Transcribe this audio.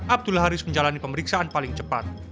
abdul haris menjalani pemeriksaan paling cepat